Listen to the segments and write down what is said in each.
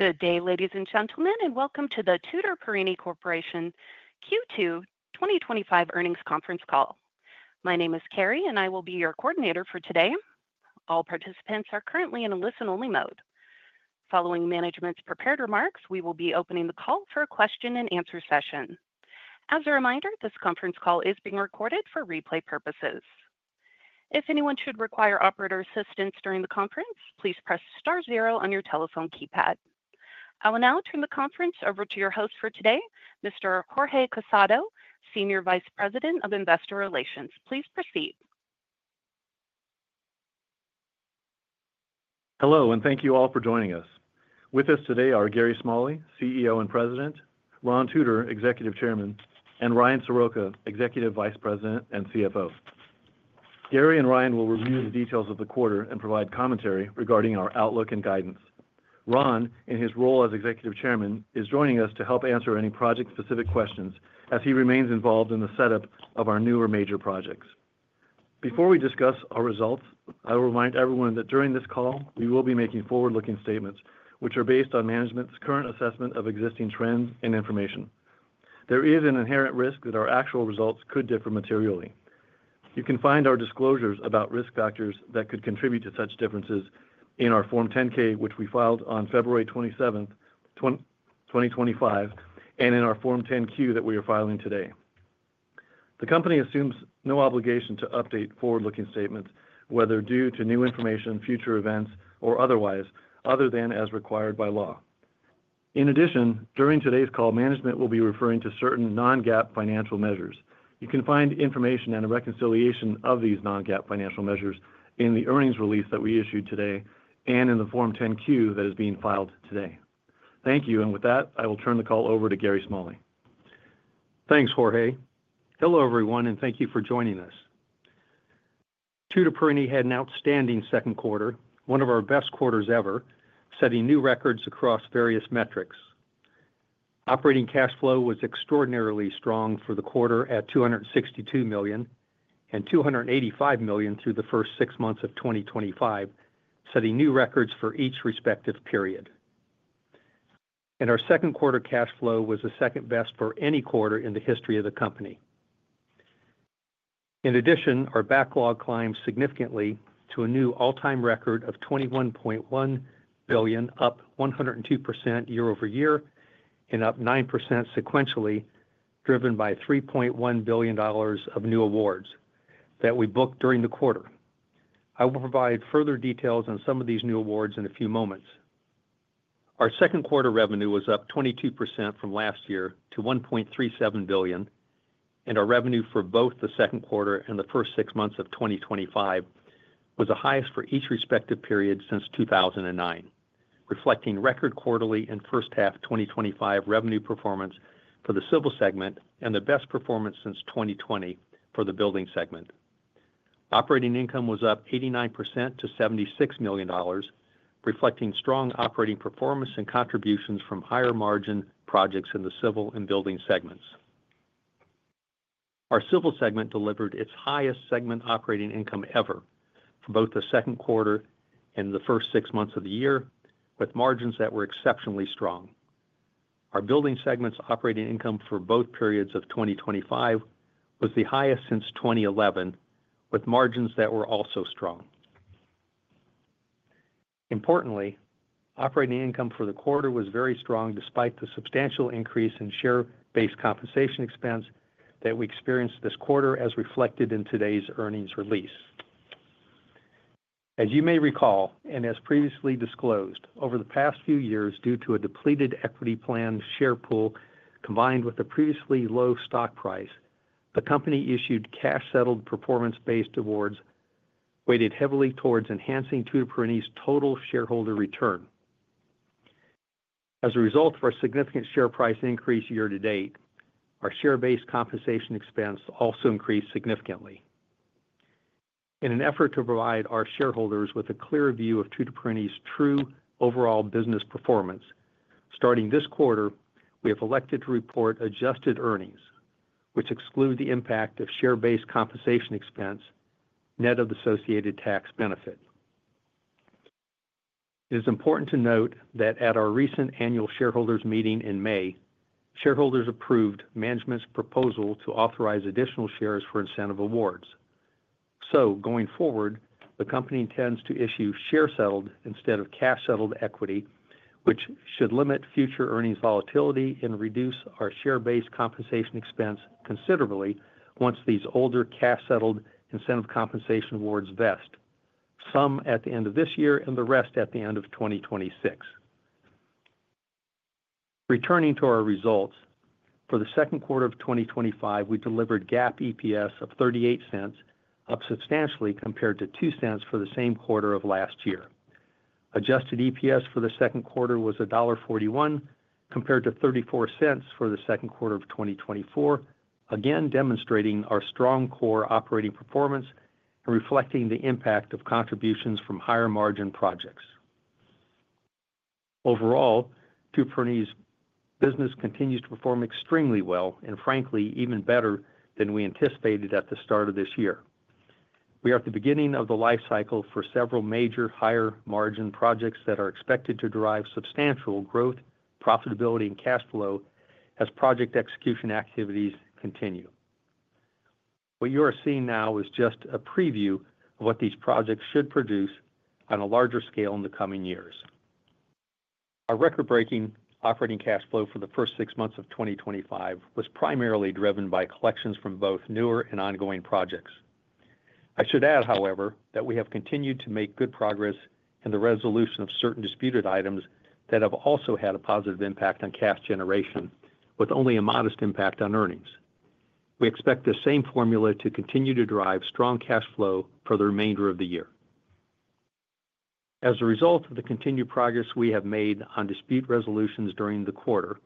Good day, ladies and gentlemen, and welcome to the Tutor Perini Corporation's Q2 2025 Earnings Conference Call. My name is Carrie, and I will be your coordinator for today. All participants are currently in a listen-only mode. Following management's prepared remarks, we will be opening the call for a question-and-answer session. As a reminder, this conference call is being recorded for replay purposes. If anyone should require operator assistance during the conference, please press star zero on your telephone keypad. I will now turn the conference over to your host for today, Mr. Jorge Casado, Senior Vice President of Investor Relations. Please proceed. Hello, and thank you all for joining us. With us today are Gary Smalley, CEO and President, Ron Tutor, Executive Chairman, and Ryan Soroka, Executive Vice President and CFO. Gary and Ryan will review the details of the quarter and provide commentary regarding our outlook and guidance. Ron, in his role as Executive Chairman, is joining us to help answer any project-specific questions as he remains involved in the setup of our newer major projects. Before we discuss our results, I will remind everyone that during this call, we will be making forward-looking statements, which are based on management's current assessment of existing trends and information. There is an inherent risk that our actual results could differ materially. You can find our disclosures about risk factors that could contribute to such differences in our Form 10-K, which we filed on February 27, 2025, and in our Form 10-Q that we are filing today. The company assumes no obligation to update forward-looking statements, whether due to new information, future events, or otherwise, other than as required by law. In addition, during today's call, management will be referring to certain non-GAAP financial measures. You can find information and a reconciliation of these non-GAAP financial measures in the earnings release that we issued today and in the Form 10-Q that is being filed today. Thank you, and with that, I will turn the call over to Gary Smalley. Thanks, Jorge. Hello, everyone, and thank you for joining us. Tutor Perini had an outstanding second quarter, one of our best quarters ever, setting new records across various metrics. Operating cash flow was extraordinarily strong for the quarter at $262 million and $285 million through the first six months of 2025, setting new records for each respective period. Our second quarter cash flow was the second best for any quarter in the history of the company. In addition, our backlog climbed significantly to a new all-time record of $21.1 billion, up 102% year-over-year and up 9% sequentially, driven by $3.1 billion of new awards that we booked during the quarter. I will provide further details on some of these new awards in a few moments. Our second quarter revenue was up 22% from last year to $1.37 billion, and our revenue for both the second quarter and the first six months of 2025 was the highest for each respective period since 2009, reflecting record quarterly and first-half 2025 revenue performance for the civil segment and the best performance since 2020 for the building segment. Operating income was up 89% to $76 million, reflecting strong operating performance and contributions from higher margin projects in the civil and building segments. Our civil segment delivered its highest segment operating income ever, both the second quarter and the first six months of the year, with margins that were exceptionally strong. Our building segment's operating income for both periods of 2025 was the highest since 2011, with margins that were also strong. Importantly, operating income for the quarter was very strong despite the substantial increase in share-based compensation expense that we experienced this quarter, as reflected in today's earnings release. As you may recall, and as previously disclosed, over the past few years, due to a depleted equity plan share pool combined with a previously low stock price, the company issued cash-settled performance-based awards weighted heavily towards enhancing Tutor Perini's total shareholder return. As a result of our significant share price increase year to date, our share-based compensation expense also increased significantly. In an effort to provide our shareholders with a clear view of Tutor Perini's true overall business performance, starting this quarter, we have elected to report adjusted earnings, which exclude the impact of share-based compensation expense net of the associated tax benefit. It is important to note that at our recent annual shareholders' meeting in May, shareholders approved management's proposal to authorize additional shares for incentive awards. Going forward, the company intends to issue share-settled instead of cash-settled equity, which should limit future earnings volatility and reduce our share-based compensation expense considerably once these older cash-settled incentive compensation awards vest, some at the end of this year and the rest at the end of 2026. Returning to our results, for the second quarter of 2025, we delivered GAAP EPS of $0.38, up substantially compared to $0.02 for the same quarter of last year. Adjusted EPS for the second quarter was $1.41 compared to $0.34 for the second quarter of 2024, again demonstrating our strong core operating performance and reflecting the impact of contributions from higher margin projects. Overall, Tutor Perini Corporation's business continues to perform extremely well and, frankly, even better than we anticipated at the start of this year. We are at the beginning of the life cycle for several major higher margin projects that are expected to derive substantial growth, profitability, and cash flow as project execution activities continue. What you are seeing now is just a preview of what these projects should produce on a larger scale in the coming years. Our record-breaking operating cash flow for the first six months of 2025 was primarily driven by collections from both newer and ongoing projects. I should add, however, that we have continued to make good progress in the resolution of certain disputed items that have also had a positive impact on cash generation, with only a modest impact on earnings. We expect the same formula to continue to drive strong cash flow for the remainder of the year. As a result of the continued progress we have made on dispute resolutions during the quarter,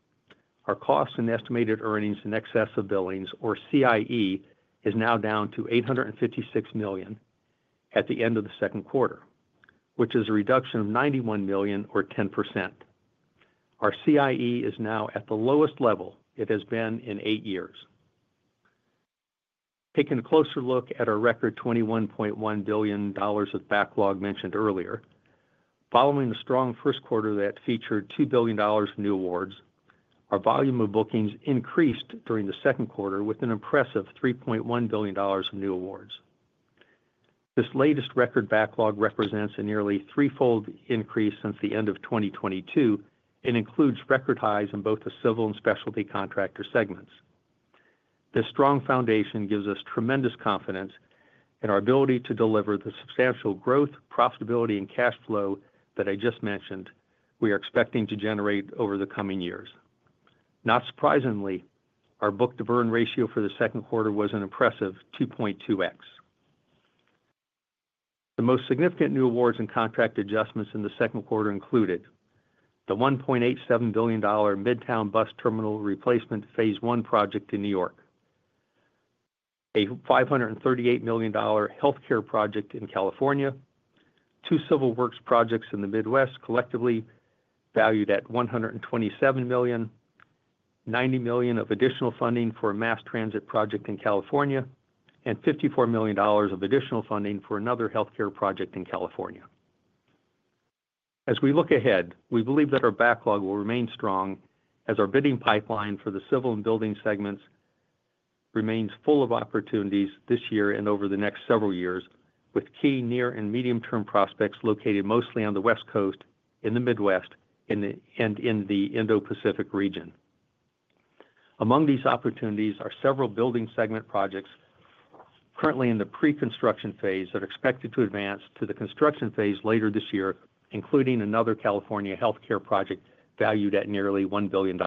our costs and estimated earnings in excess of billings, or CIE, is now down to $856 million at the end of the second quarter, which is a reduction of $91 million, or 10%. Our CIE is now at the lowest level it has been in eight years. Taking a closer look at our record $21.1 billion of backlog mentioned earlier, following the strong first quarter that featured $2 billion of new awards, our volume of bookings increased during the second quarter with an impressive $3.1 billion of new awards. This latest record backlog represents a nearly threefold increase since the end of 2022 and includes record highs in both the civil and specialty contractor segments. This strong foundation gives us tremendous confidence in our ability to deliver the substantial growth, profitability, and cash flow that I just mentioned we are expecting to generate over the coming years. Not surprisingly, our book-to-burn ratio for the second quarter was an impressive 2.2x. The most significant new awards and contract adjustments in the second quarter included the $1.87 billion Midtown Bus Terminal Replacement Phase One project in New York, a $538 million healthcare project in California, two civil works projects in the Midwest collectively valued at $127 million, $90 million of additional funding for a mass transit project in California, and $54 million of additional funding for another healthcare project in California. As we look ahead, we believe that our backlog will remain strong as our bidding pipeline for the civil and building segments remains full of opportunities this year and over the next several years, with key near and medium-term prospects located mostly on the West Coast, in the Midwest, and in the Indo-Pacific region. Among these opportunities are several building segment projects currently in the pre-construction phase that are expected to advance to the construction phase later this year, including another California healthcare project valued at nearly $1 billion.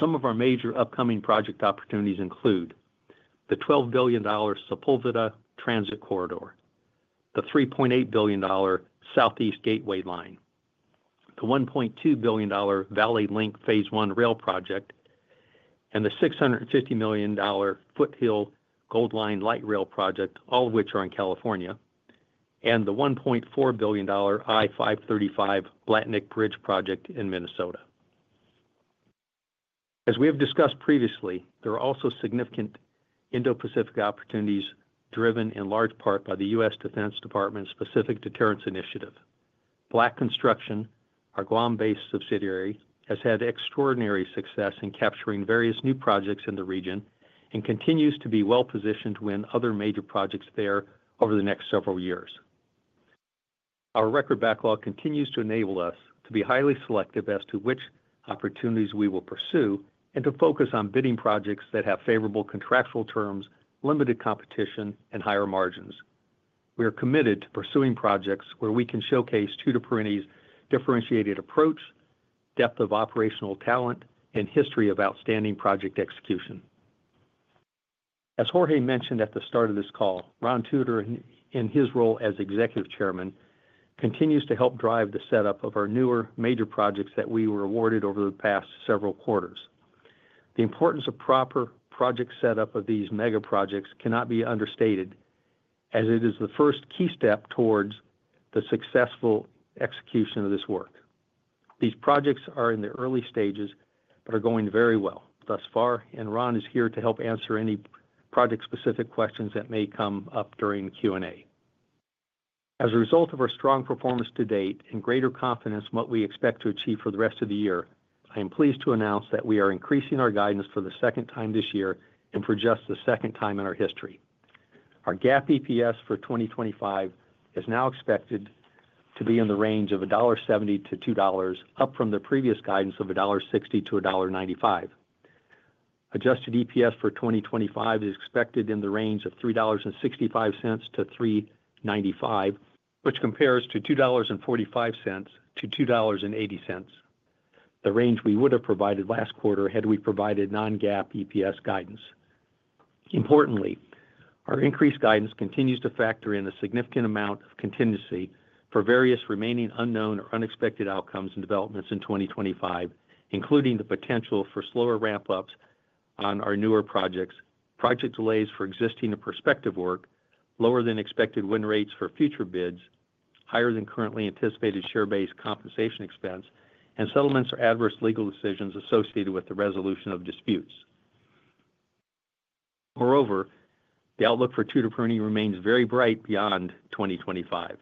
Some of our major upcoming project opportunities include the $12 billion Sepulveda Transit Corridor, the $3.8 billion Southeast Gateway Line, the $1.2 billion Valley Link Phase One Rail Project, and the $650 million Foothill Gold Line Light Rail Project, all of which are in California, and the $1.4 billion I-535 Blatnik Bridge Project in Minnesota. As we have discussed previously, there are also significant Indo-Pacific opportunities driven in large part by the U.S. Defense Department's Pacific Deterrence Initiative. Black Construction, our Guam-based subsidiary, has had extraordinary success in capturing various new projects in the region and continues to be well-positioned to win other major projects there over the next several years. Our record backlog continues to enable us to be highly selective as to which opportunities we will pursue and to focus on bidding projects that have favorable contractual terms, limited competition, and higher margins. We are committed to pursuing projects where we can showcase Tutor Perini's differentiated approach, depth of operational talent, and history of outstanding project execution. As Jorge mentioned at the start of this call, Ron Tutor, in his role as Executive Chairman, continues to help drive the setup of our newer major projects that we were awarded over the past several quarters. The importance of proper project setup of these mega projects cannot be understated, as it is the first key step towards the successful execution of this work. These projects are in the early stages but are going very well thus far, and Ron is here to help answer any project-specific questions that may come up during Q&A. As a result of our strong performance to date and greater confidence in what we expect to achieve for the rest of the year, I am pleased to announce that we are increasing our guidance for the second time this year and for just the second time in our history. Our GAAP EPS for 2025 is now expected to be in the range of $1.70-$2.00, up from the previous guidance of $1.60-$1.95. Adjusted EPS for 2025 is expected in the range of $3.65-$3.95, which compares to $2.45-$2.80, the range we would have provided last quarter had we provided non-GAAP EPS guidance. Importantly, our increased guidance continues to factor in a significant amount of contingency for various remaining unknown or unexpected outcomes and developments in 2025, including the potential for slower ramp-ups on our newer projects, project delays for existing and prospective work, lower than expected win rates for future bids, higher than currently anticipated share-based compensation expense, and settlements or adverse legal decisions associated with the resolution of disputes. Moreover, the outlook for Tutor Perini remains very bright beyond 2025.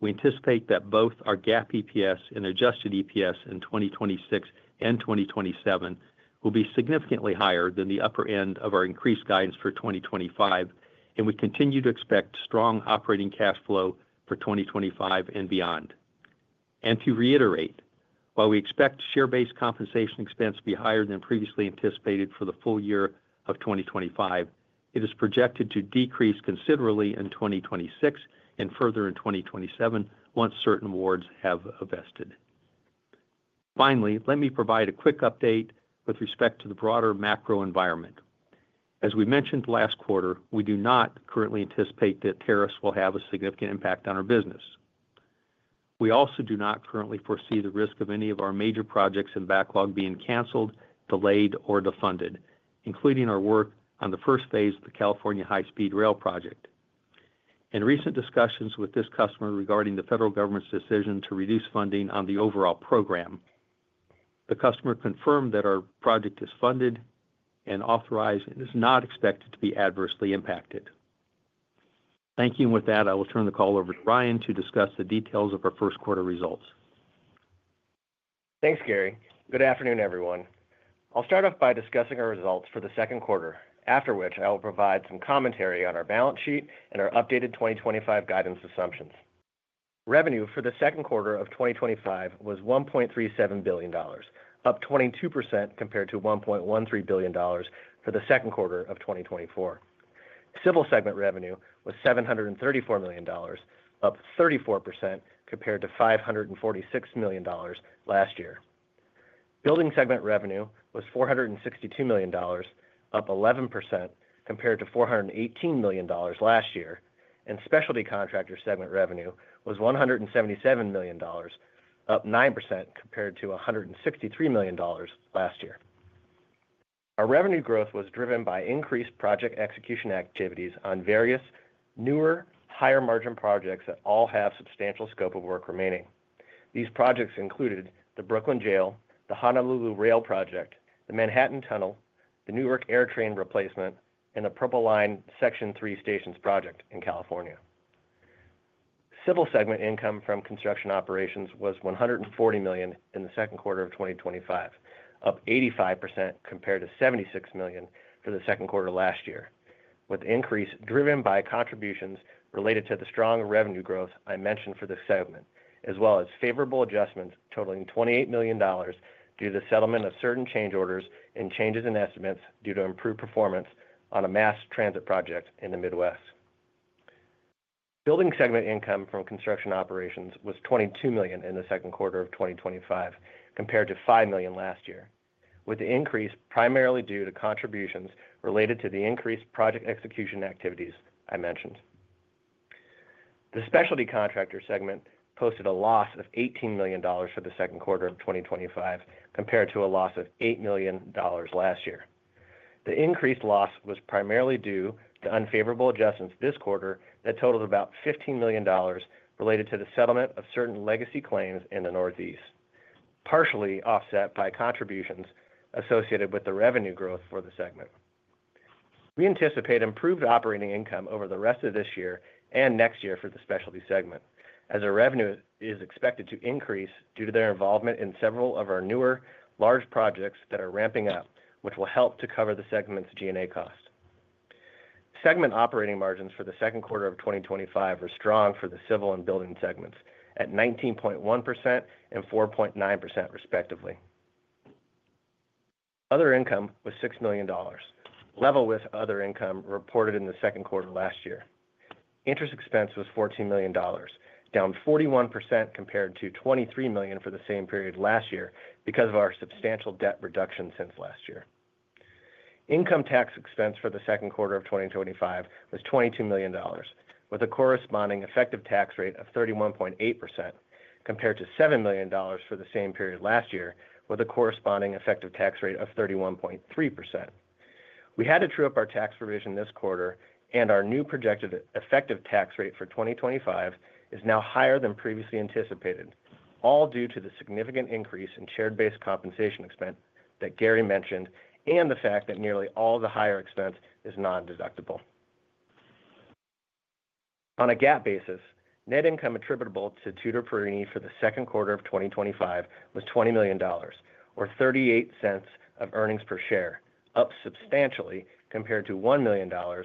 We anticipate that both our GAAP EPS and adjusted EPS in 2026 and 2027 will be significantly higher than the upper end of our increased guidance for 2025, and we continue to expect strong operating cash flow for 2025 and beyond. To reiterate, while we expect share-based compensation expense to be higher than previously anticipated for the full year of 2025, it is projected to decrease considerably in 2026 and further in 2027 once certain awards have vested. Finally, let me provide a quick update with respect to the broader macro environment. As we mentioned last quarter, we do not currently anticipate that tariffs will have a significant impact on our business. We also do not currently foresee the risk of any of our major projects in backlog being canceled, delayed, or defunded, including our work on the first phase of the California High-Speed Rail Project. In recent discussions with this customer regarding the federal government's decision to reduce funding on the overall program, the customer confirmed that our project is funded and authorized and is not expected to be adversely impacted. Thank you. With that, I will turn the call over to Ryan to discuss the details of our first quarter results. Thanks, Gary. Good afternoon, everyone. I'll start off by discussing our results for the second quarter, after which I will provide some commentary on our balance sheet and our updated 2025 guidance assumptions. Revenue for the second quarter of 2025 was $1.37 billion, up 22% compared to $1.13 billion for the second quarter of 2024. Civil segment revenue was $734 million, up 34% compared to $546 million last year. Building segment revenue was $462 million, up 11% compared to $418 million last year, and specialty contractor segment revenue was $177 million, up 9% compared to $163 million last year. Our revenue growth was driven by increased project execution activities on various newer, higher margin projects that all have substantial scope of work remaining. These projects included the Brooklyn Jail and the Honolulu Rail Project, the Manhattan Tunnel, the Newark AirTrain Replacement, and the Purple Line Section 3 stations project in California. Civil segment income from construction operations was $140 million in the second quarter of 2025, up 85% compared to $76 million for the second quarter last year, with the increase driven by contributions related to the strong revenue growth I mentioned for this segment, as well as favorable adjustments totaling $28 million due to the settlement of certain change orders and changes in estimates due to improved performance on a mass transit project in the Midwest. Building segment income from construction operations was $22 million in the second quarter of 2025, compared to $5 million last year, with the increase primarily due to contributions related to the increased project execution activities I mentioned. The specialty contractor segment posted a loss of $18 million for the second quarter of 2025, compared to a loss of $8 million last year. The increased loss was primarily due to unfavorable adjustments this quarter that totaled about $15 million related to the settlement of certain legacy claims in the Northeast, partially offset by contributions associated with the revenue growth for the segment. We anticipate improved operating income over the rest of this year and next year for the specialty segment, as our revenue is expected to increase due to their involvement in several of our newer large projects that are ramping up, which will help to cover the segment's G&A cost. Segment operating margins for the second quarter of 2025 were strong for the civil and building segments at 19.1% and 4.9% respectively. Other income was $6 million, level with other income reported in the second quarter last year. Interest expense was $14 million, down 41% compared to $23 million for the same period last year because of our substantial debt reduction since last year. Income tax expense for the second quarter of 2025 was $22 million, with a corresponding effective tax rate of 31.8% compared to $7 million for the same period last year, with a corresponding effective tax rate of 31.3%. We had to trim up our tax revision this quarter, and our new projected effective tax rate for 2025 is now higher than previously anticipated, all due to the significant increase in share-based compensation expense that Gary mentioned and the fact that nearly all the higher expense is non-deductible. On a GAAP basis, net income attributable to Tutor Perini for the second quarter of 2025 was $20 million, or $0.38 of earnings per share, up substantially compared to $1 million, or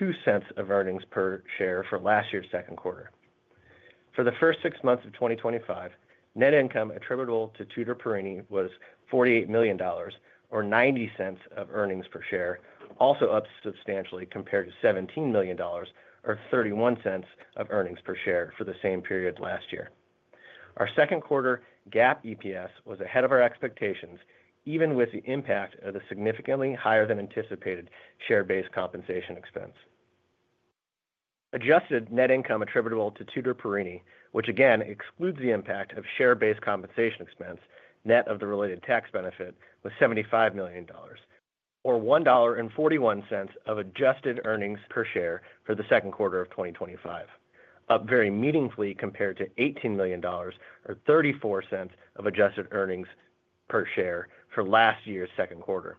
$0.02 of earnings per share for last year's second quarter. For the first six months of 2025, net income attributable to Tutor Perini was $48 million, or $0.90 of earnings per share, also up substantially compared to $17 million, or $0.31 of earnings per share for the same period last year. Our second quarter GAAP EPS was ahead of our expectations, even with the impact of the significantly higher than anticipated share-based compensation expense. Adjusted net income attributable to Tutor Perini, which again excludes the impact of share-based compensation expense, net of the related tax benefit, was $75 million, or $1.41 of adjusted earnings per share for the second quarter of 2025, up very meaningfully compared to $18 million, or $0.34 of adjusted earnings per share for last year's second quarter.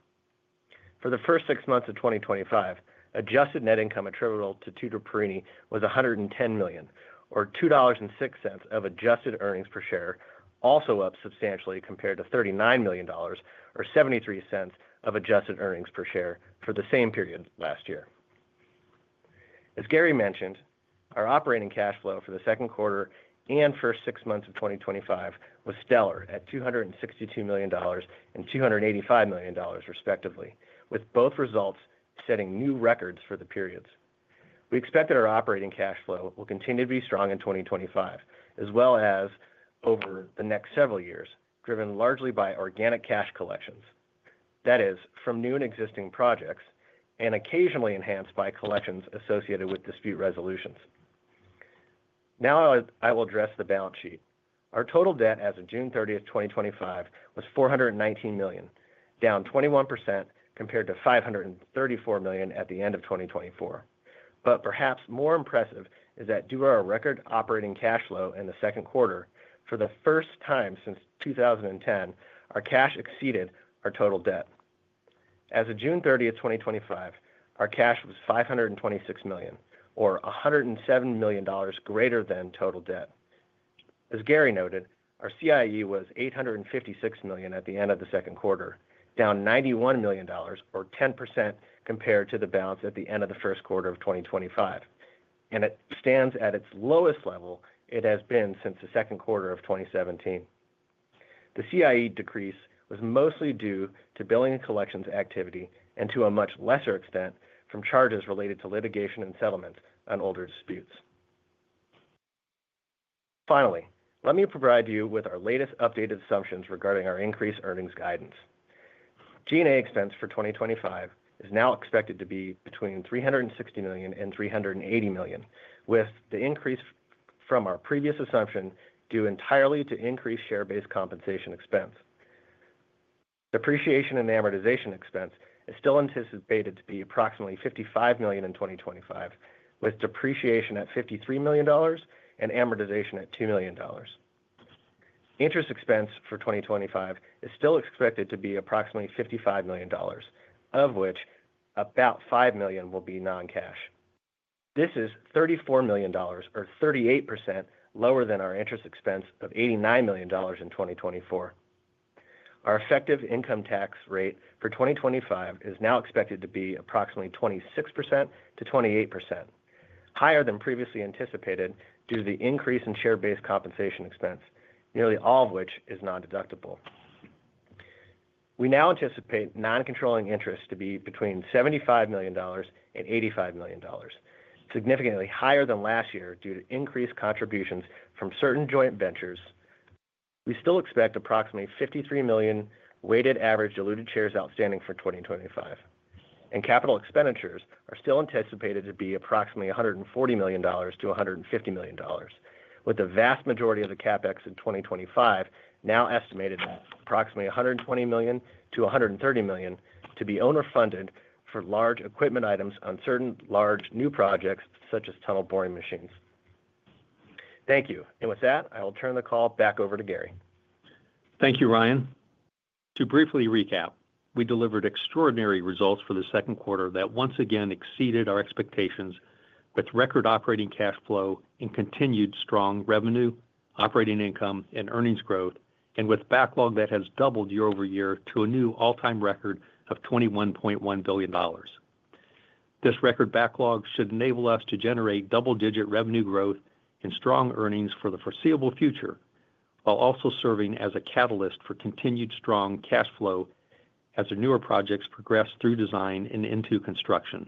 For the first six months of 2025, adjusted net income attributable to Tutor Perini was $110 million, or $2.06 of adjusted earnings per share, also up substantially compared to $39 million, or $0.73 of adjusted earnings per share for the same period last year. As Gary mentioned, our operating cash flow for the second quarter and first six months of 2025 was stellar at $262 million and $285 million, respectively, with both results setting new records for the periods. We expect that our operating cash flow will continue to be strong in 2025, as well as over the next several years, driven largely by organic cash collections, that is, from new and existing projects, and occasionally enhanced by collections associated with dispute resolutions. Now I will address the balance sheet. Our total debt as of June 30, 2025, was $419 million, down 21% compared to $534 million at the end of 2024. Perhaps more impressive is that due to our record operating cash flow in the second quarter, for the first time since 2010, our cash exceeded our total debt. As of June 30, 2025, our cash was $526 million, or $107 million greater than total debt. As Gary noted, our CIE was $856 million at the end of the second quarter, down $91 million, or 10% compared to the balance at the end of the first quarter of 2025, and it stands at its lowest level it has been since the second quarter of 2017. The CIE decrease was mostly due to billing and collections activity and to a much lesser extent from charges related to litigation and settlements on older disputes. Finally, let me provide you with our latest updated assumptions regarding our increased earnings guidance. G&A expense for 2025 is now expected to be between $360 million and $380 million, with the increase from our previous assumption due entirely to increased share-based compensation expense. Depreciation and amortization expense is still anticipated to be approximately $55 million in 2025, with depreciation at $53 million and amortization at $2 million. Interest expense for 2025 is still expected to be approximately $55 million, of which about $5 million will be non-cash. This is $34 million, or 38% lower than our interest expense of $89 million in 2024. Our effective income tax rate for 2025 is now expected to be approximately 26% to 28%, higher than previously anticipated due to the increase in share-based compensation expense, nearly all of which is non-deductible. We now anticipate non-controlling interest to be between $75 million and $85 million, significantly higher than last year due to increased contributions from certain joint ventures. We still expect approximately $53 million weighted average diluted shares outstanding for 2025, and capital expenditures are still anticipated to be approximately $140 million-$150 million, with the vast majority of the CapEx in 2025 now estimated at approximately $120 million-$130 million to be owner-funded for large equipment items on certain large new projects, such as tunnel boring machines. Thank you. With that, I will turn the call back over to Gary. Thank you, Ryan. To briefly recap, we delivered extraordinary results for the second quarter that once again exceeded our expectations with record operating cash flow and continued strong revenue, operating income, and earnings growth, and with a backlog that has doubled year over year to a new all-time record of $21.1 billion. This record backlog should enable us to generate double-digit revenue growth and strong earnings for the foreseeable future, while also serving as a catalyst for continued strong cash flow as our newer projects progress through design and into construction.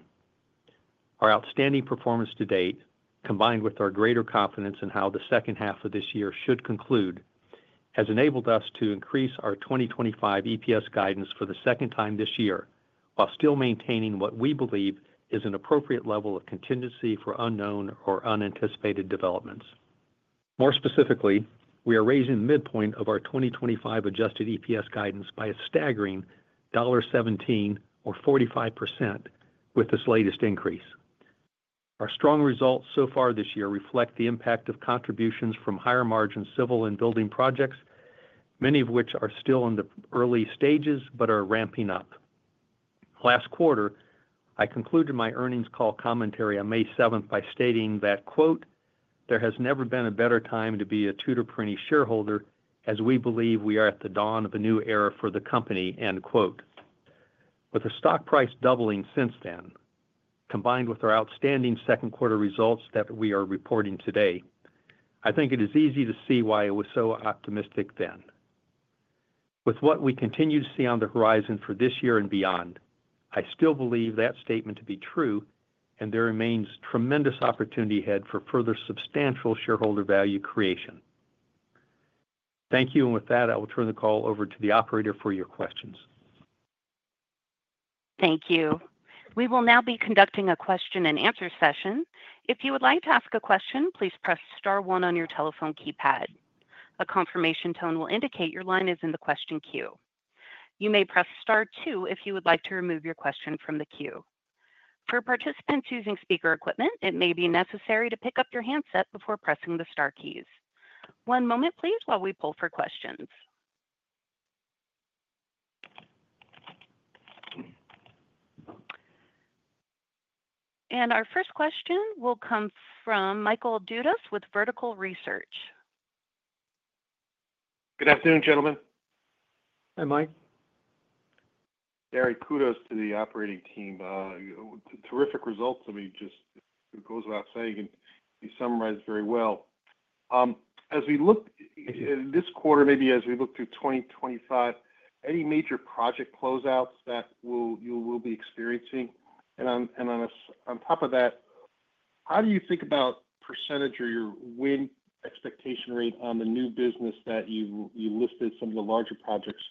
Our outstanding performance to date, combined with our greater confidence in how the second half of this year should conclude, has enabled us to increase our 2025 EPS guidance for the second time this year, while still maintaining what we believe is an appropriate level of contingency for unknown or unanticipated developments. More specifically, we are raising the midpoint of our 2025 adjusted EPS guidance by a staggering $1.17, or 45%, with this latest increase. Our strong results so far this year reflect the impact of contributions from higher margin civil and building projects, many of which are still in the early stages but are ramping up. Last quarter, I concluded my earnings call commentary on May 7th by stating that, "There has never been a better time to be a Tutor Perini shareholder, as we believe we are at the dawn of a new era for the company." With the stock price doubling since then, combined with our outstanding second quarter results that we are reporting today, I think it is easy to see why I was so optimistic then. With what we continue to see on the horizon for this year and beyond, I still believe that statement to be true, and there remains tremendous opportunity ahead for further substantial shareholder value creation. Thank you. With that, I will turn the call over to the operator for your questions. Thank you. We will now be conducting a question-and-answer session. If you would like to ask a question, please press star one on your telephone keypad. A confirmation tone will indicate your line is in the question queue. You may press star two if you would like to remove your question from the queue. For participants using speaker equipment, it may be necessary to pick up your handset before pressing the star keys. One moment, please, while we pull for questions. Our first question will come from Michael Dudas with Vertical Research Partners. Good afternoon, gentlemen. Hi, Mike. Gary, kudos to the operating team. Terrific results, I mean, it goes without saying, and you summarized very well. As we look at this quarter, maybe as we look to 2025, any major project closeouts that you will be experiencing? On top of that, how do you think about percentage or your win expectation rate on the new business that you listed, some of the larger projects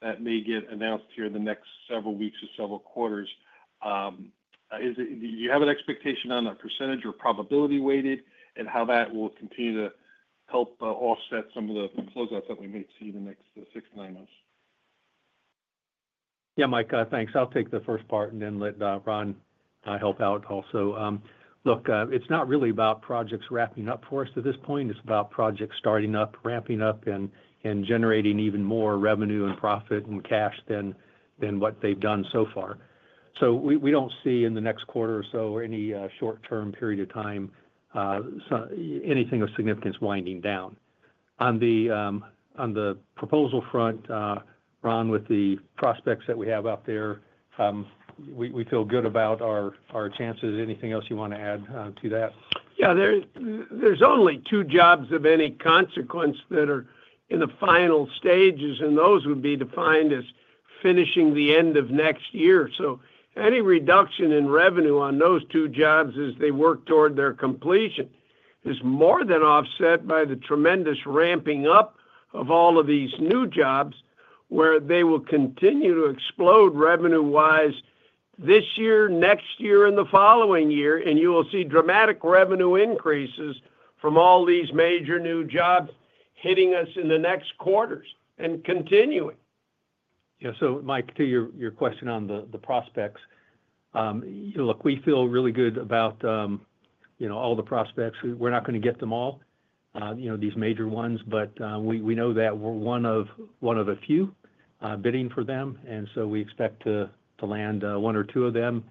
that may get announced here in the next several weeks or several quarters? Do you have an expectation on a percentage or probability weighted and how that will continue to help offset some of the closeouts that we may see in the next six to nine months? Yeah, Mike, thanks. I'll take the first part and then let Ron help out also. Look, it's not really about projects wrapping up for us at this point. It's about projects starting up, ramping up, and generating even more revenue and profit and cash than what they've done so far. We don't see in the next quarter or so or any short-term period of time anything of significance winding down. On the proposal front, Ron, with the prospects that we have out there, we feel good about our chances. Anything else you want to add to that? Yeah, there's only two jobs of any consequence that are in the final stages, and those would be defined as finishing the end of next year. Any reduction in revenue on those two jobs as they work toward their completion is more than offset by the tremendous ramping up of all of these new jobs, where they will continue to explode revenue-wise this year, next year, and the following year. You will see dramatic revenue increases from all these major new jobs hitting us in the next quarters and continuing. Yeah, Mike, to your question on the prospects, look, we feel really good about all the prospects. We're not going to get them all, you know, these major ones, but we know that we're one of a few bidding for them. We expect to land one or two of them,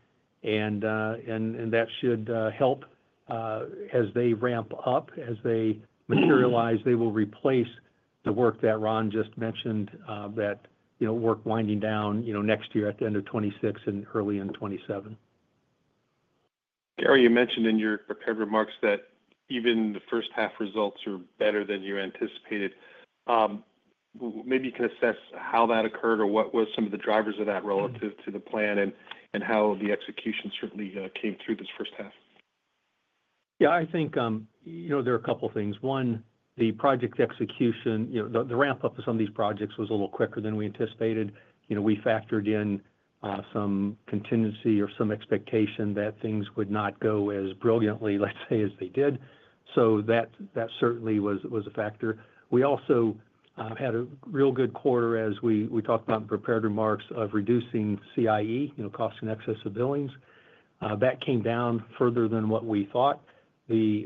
and that should help as they ramp up, as they materialize. They will replace the work that Ron just mentioned, that work winding down next year at the end of 2026 and early in 2027. Gary, you mentioned in your prepared remarks that even the first half results are better than you anticipated. Maybe you can assess how that occurred, or what were some of the drivers of that relative to the plan, and how the execution certainly came through this first half. Yeah, I think there are a couple of things. One, the project execution, the ramp-up of some of these projects was a little quicker than we anticipated. We factored in some contingency or some expectation that things would not go as brilliantly, let's say, as they did. That certainly was a factor. We also had a real good quarter, as we talked about in the prepared remarks, of reducing CIE, costs in excess of billings. That came down further than what we thought, than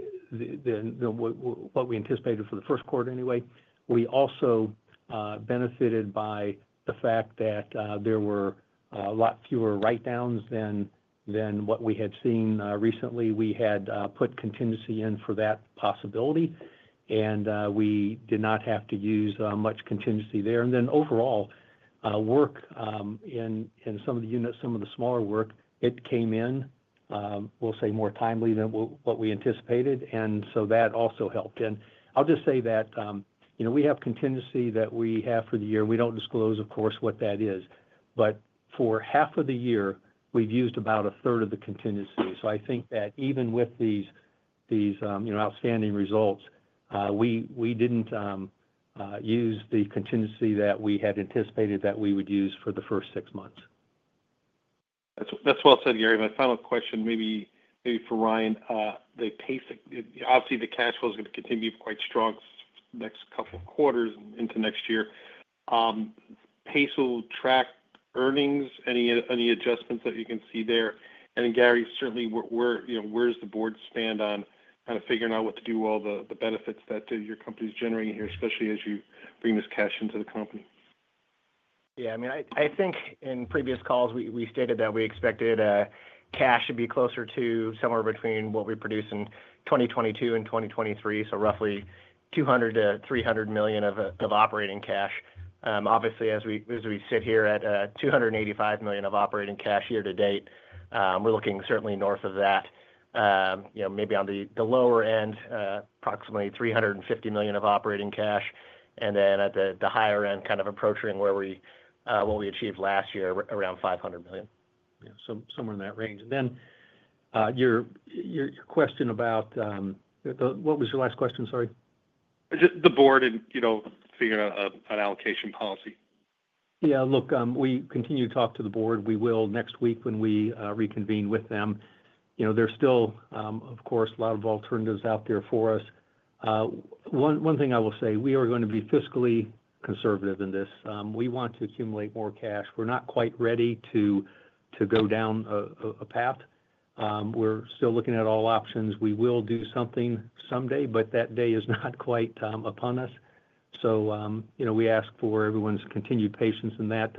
what we anticipated for the first quarter anyway. We also benefited by the fact that there were a lot fewer write-downs than what we had seen recently. We had put contingency in for that possibility, and we did not have to use much contingency there. Overall, work in some of the units, some of the smaller work, it came in, we'll say, more timely than what we anticipated. That also helped. I'll just say that we have contingency that we have for the year, and we don't disclose, of course, what that is. For half of the year, we've used about a third of the contingency. I think that even with these outstanding results, we didn't use the contingency that we had anticipated that we would use for the first six months. That's well said, Gary. My final question, maybe for Ryan, the pace of, obviously, the cash flow is going to continue to be quite strong the next couple of quarters into next year. Pace will track earnings, any adjustments that you can see there. Gary, certainly, where does the board stand on kind of figuring out what to do with all the benefits that your company is generating here, especially as you bring this cash into the company? Yeah, I mean, I think in previous calls, we stated that we expected cash to be closer to somewhere between what we produce in 2022 and 2023, so roughly $200-$300 million of operating cash. Obviously, as we sit here at $285 million of operating cash year to date, we're looking certainly north of that. Maybe on the lower end, approximately $350 million of operating cash, and then at the higher end, kind of approaching where we achieved last year, around $500 million. Yeah, somewhere in that range. Your question about, what was your last question? Sorry. Is it the board and, you know, figure out an allocation policy? Yeah, look, we continue to talk to the board. We will next week when we reconvene with them. There's still, of course, a lot of alternatives out there for us. One thing I will say, we are going to be fiscally conservative in this. We want to accumulate more cash. We're not quite ready to go down a path. We're still looking at all options. We will do something someday, but that day is not quite upon us. We ask for everyone's continued patience in that.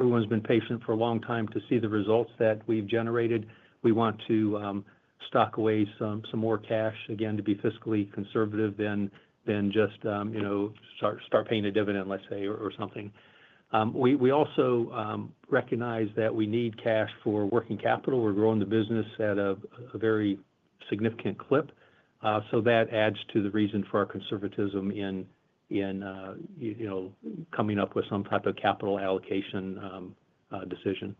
Everyone's been patient for a long time to see the results that we've generated. We want to stock away some more cash, again, to be fiscally conservative than just, you know, start paying a dividend, let's say, or something. We also recognize that we need cash for working capital. We're growing the business at a very significant clip. That adds to the reason for our conservatism in coming up with some type of capital allocation decision.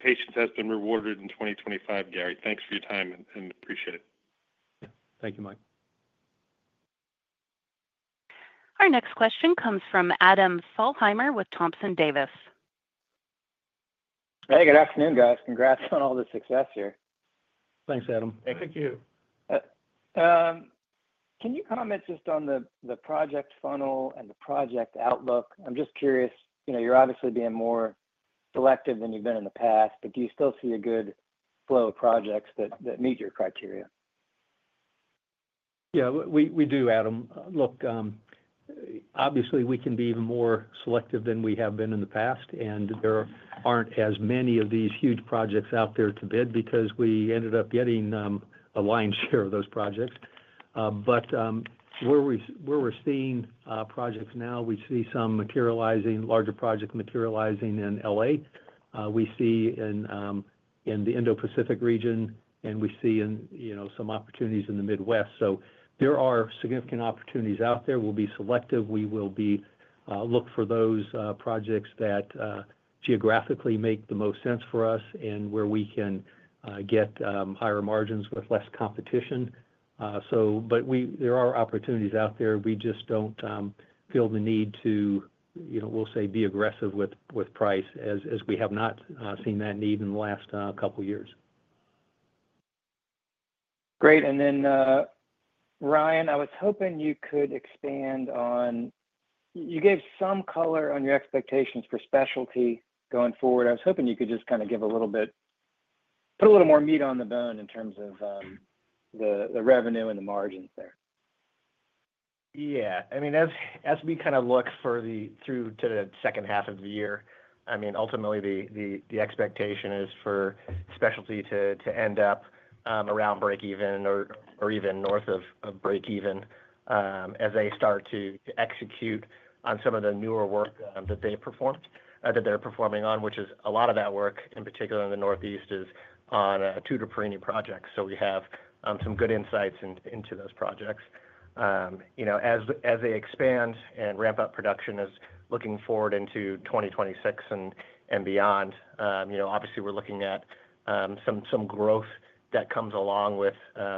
Patience has been rewarded in 2025, Gary. Thanks for your time, and appreciate it. Thank you, Mike. Our next question comes from Adam Thalhimer with Thompson Davis. Hey, good afternoon, guys. Congrats on all the success here. Thanks, Adam. Thank you. Can you comment just on the project funnel and the project outlook? I'm just curious, you know, you're obviously being more selective than you've been in the past, but do you still see a good flow of projects that meet your criteria? Yeah, we do, Adam. Look, obviously, we can be even more selective than we have been in the past, and there aren't as many of these huge projects out there to bid because we ended up getting a lion's share of those projects. Where we're seeing projects now, we see some materializing, larger projects materializing in LA. We see in the Indo-Pacific region, and we see some opportunities in the Midwest. There are significant opportunities out there. We'll be selective. We will look for those projects that geographically make the most sense for us and where we can get higher margins with less competition. There are opportunities out there. We just don't feel the need to be aggressive with price, as we have not seen that need in the last couple of years. Great. Ryan, I was hoping you could expand on, you gave some color on your expectations for specialty going forward. I was hoping you could just kind of give a little bit, put a little more meat on the bone in terms of the revenue and the margins there. Yeah, as we kind of look through to the second half of the year, ultimately, the expectation is for specialty to end up around breakeven or even north of breakeven as they start to execute on some of the newer work that they've performed, that they're performing on, which is a lot of that work, in particular in the Northeast, is on Tutor Perini projects. We have some good insights into those projects. As they expand and ramp up production looking forward into 2026 and beyond, obviously, we're looking at some growth that comes along with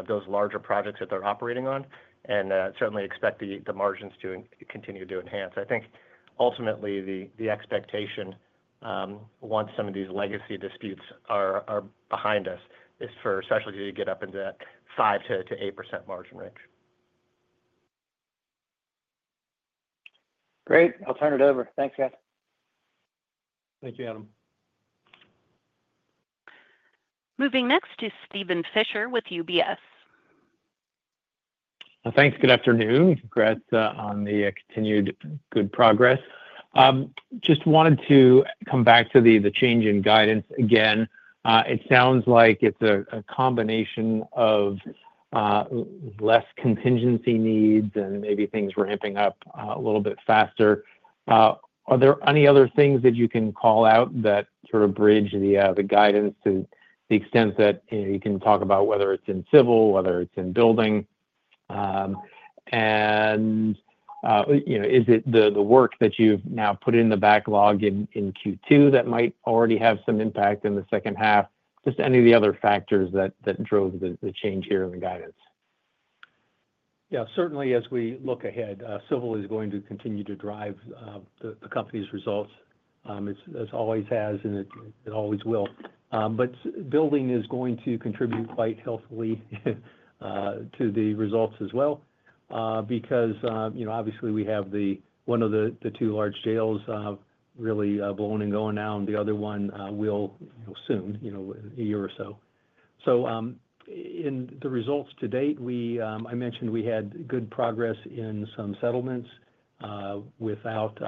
those larger projects that they're operating on and certainly expect the margins to continue to enhance. I think, ultimately, the expectation once some of these legacy disputes are behind us is for specialty to get up into that 5% to 8% margin range. Great. I'll turn it over. Thanks, guys. Thank you, Adam. Moving next is Steven Fisher with UBS. Thanks. Good afternoon. Congrats on the continued good progress. Just wanted to come back to the change in guidance again. It sounds like it's a combination of less contingency needs and maybe things ramping up a little bit faster. Are there any other things that you can call out that sort of bridge the guidance to the extent that you can talk about whether it's in civil, whether it's in building? Is it the work that you've now put in the backlog in Q2 that might already have some impact in the second half? Just any of the other factors that drove the change here in the guidance? Yeah, certainly, as we look ahead, civil is going to continue to drive the company's results, as it always has and it always will. Building is going to contribute quite healthily to the results as well because, you know, obviously, we have one of the two large jails really blowing and going now, and the other one will soon, you know, a year or so. In the results to date, I mentioned we had good progress in some settlements without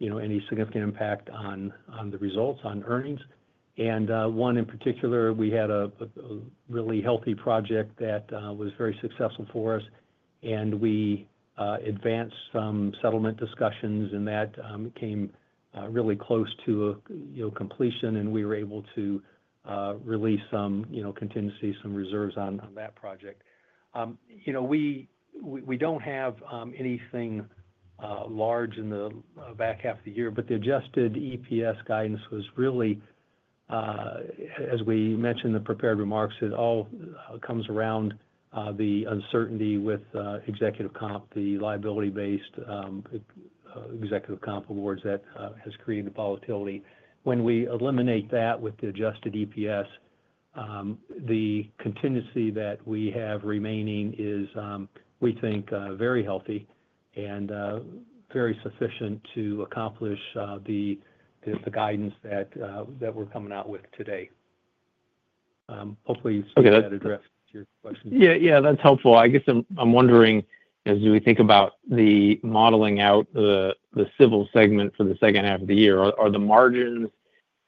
any significant impact on the results, on earnings. One in particular, we had a really healthy project that was very successful for us, and we advanced some settlement discussions, and that came really close to completion, and we were able to release some contingency, some reserves on that project. We don't have anything large in the back half of the year, but the adjusted EPS guidance was really, as we mentioned in the prepared remarks, it all comes around the uncertainty with executive comp, the liability-based executive comp awards that has created the volatility. When we eliminate that with the adjusted EPS, the contingency that we have remaining is, we think, very healthy and very sufficient to accomplish the guidance that we're coming out with today. Hopefully, that addresses your question. Yeah, that's helpful. I guess I'm wondering, as we think about modeling out the civil segment for the second half of the year, are the margins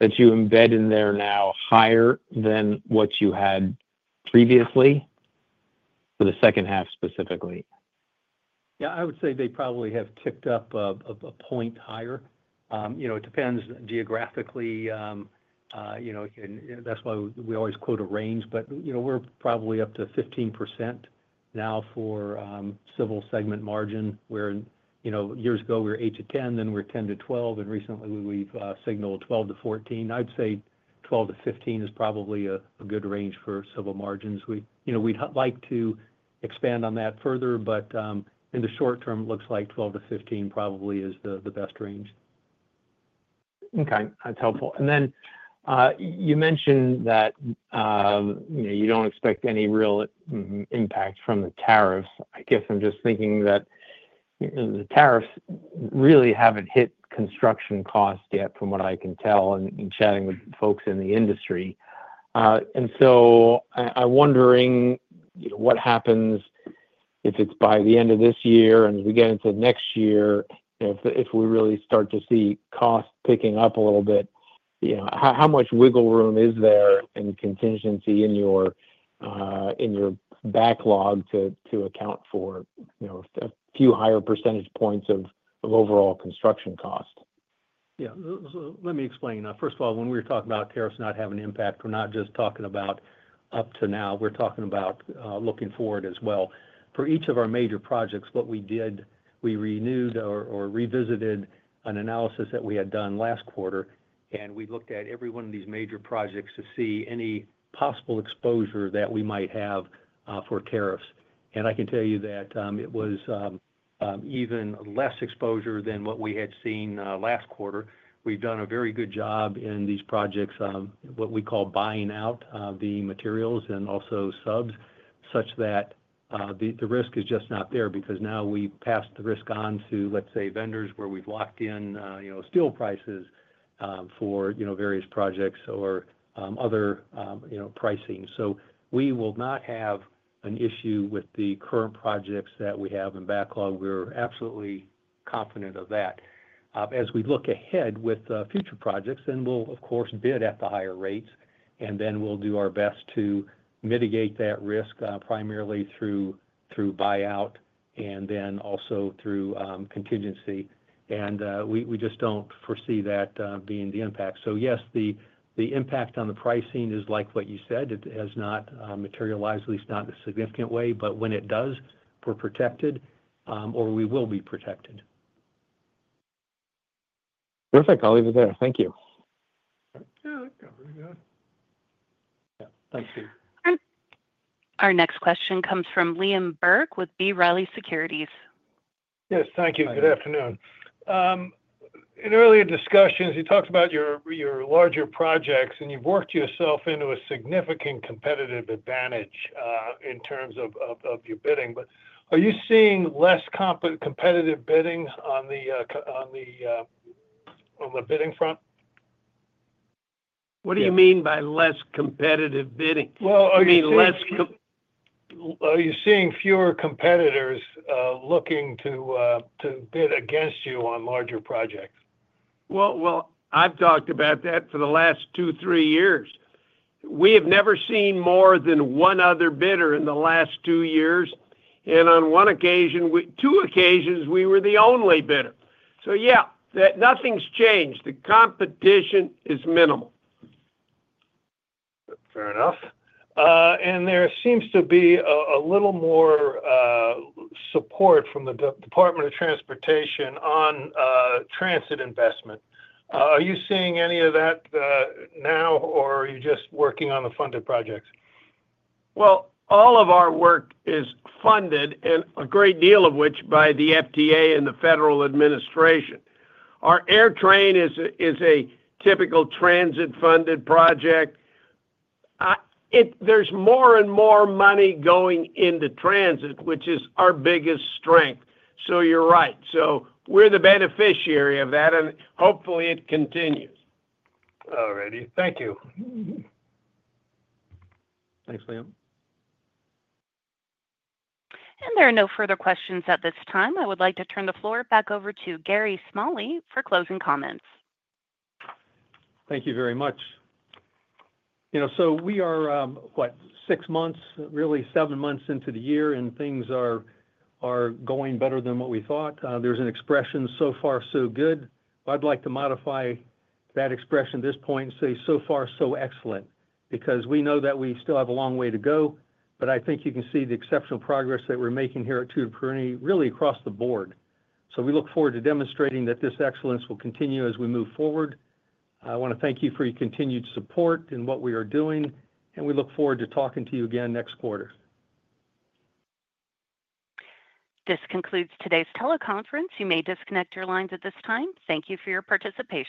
that you embed in there now higher than what you had previously for the second half specifically? Yeah, I would say they probably have ticked up a point higher. It depends geographically. That's why we always quote a range, but we're probably up to 15% now for civil segment margin, where years ago we were 8%-10%, then we were 10%-12%, and recently we've signaled 12%-14%. I'd say 12%-5% is probably a good range for civil margins. We'd like to expand on that further, but in the short term, it looks like 12%-15% probably is the best range. Okay, that's helpful. You mentioned that you don't expect any real impact from the tariffs. I guess I'm just thinking that the tariffs really haven't hit construction costs yet, from what I can tell in chatting with folks in the industry. I'm wondering, you know, what happens if it's by the end of this year and as we get into next year, if we really start to see costs picking up a little bit, how much wiggle room is there in contingency in your backlog to account for a few higher % points of overall construction cost? Yeah, so let me explain. First of all, when we were talking about tariffs not having an impact, we're not just talking about up to now. We're talking about looking forward as well. For each of our major projects, what we did, we renewed or revisited an analysis that we had done last quarter, and we looked at every one of these major projects to see any possible exposure that we might have for tariffs. I can tell you that it was even less exposure than what we had seen last quarter. We've done a very good job in these projects, what we call buying out the materials and also subs, such that the risk is just not there because now we pass the risk on to, let's say, vendors where we've locked in steel prices for various projects or other pricing. We will not have an issue with the current projects that we have in backlog. We're absolutely confident of that. As we look ahead with future projects, we'll, of course, bid at the higher rates, and then we'll do our best to mitigate that risk primarily through buyout and then also through contingency. We just don't foresee that being the impact. Yes, the impact on the pricing is like what you said. It has not materialized, at least not in a significant way, but when it does, we're protected or we will be protected. Perfect. I'll leave it there. Thank you. Yeah, that covers it. Yeah, thanks, Steve. Our next question comes from Liam Burke with B. Riley Securities. Yes, thank you. Good afternoon. In earlier discussions, you talked about your larger projects, and you've worked yourself into a significant competitive advantage in terms of your bidding. Are you seeing less competitive bidding on the bidding front? What do you mean by less competitive bidding? Are you seeing fewer competitors looking to bid against you on larger projects? I've talked about that for the last two, three years. We have never seen more than one other bidder in the last two years. On one occasion, two occasions, we were the only bidder. Nothing's changed. The competition is minimal. Fair enough. There seems to be a little more support from the U.S. Department of Transportation on transit investment. Are you seeing any of that now, or are you just working on the funded projects? All of our work is funded, and a great deal of which by the U.S. Department of Transportation and the federal administration. Our AirTrain is a typical transit-funded project. There's more and more money going into transit, which is our biggest strength. You're right. We're the beneficiary of that, and hopefully, it continues. All right. Thank you. Thanks, Liam. There are no further questions at this time. I would like to turn the floor back over to Gary Smalley for closing comments. Thank you very much. We are, what, six months, really seven months into the year, and things are going better than what we thought. There's an expression, "So far, so good." I'd like to modify that expression at this point and say, "So far, so excellent," because we know that we still have a long way to go. I think you can see the exceptional progress that we're making here at Tutor Perini, really across the board. We look forward to demonstrating that this excellence will continue as we move forward. I want to thank you for your continued support in what we are doing, and we look forward to talking to you again next quarter. This concludes today's teleconference. You may disconnect your lines at this time. Thank you for your participation.